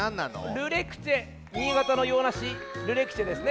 ルレクチェ新潟のようなしルレクチェですね。